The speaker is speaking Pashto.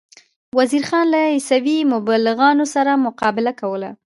وزیر خان له عیسوي مبلغانو سره مقابله کوله.